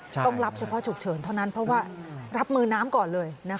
ต้องรับเฉพาะฉุกเฉินเท่านั้นเพราะว่ารับมือน้ำก่อนเลย